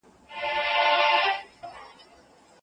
د جرګي غړو به د هیواد د راتلونکي په اړه هیله من نظرونه ورکول.